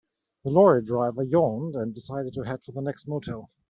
The lorry driver yawned and decided to head for the next motel.